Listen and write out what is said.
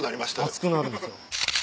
熱くなるんですよ。